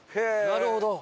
なるほど！